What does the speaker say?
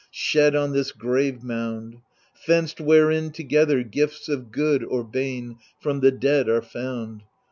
Shed on this grave mound. Fenced wherein together, gifts of good or bane From the dead are found.